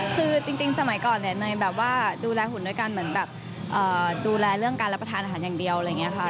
คือจริงสมัยก่อนเนี่ยเนยแบบว่าดูแลหุ่นด้วยการเหมือนแบบดูแลเรื่องการรับประทานอาหารอย่างเดียวอะไรอย่างนี้ค่ะ